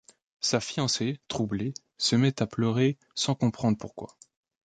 Sa fiancée, troublée, se met à pleurer sans comprendre pourquoi.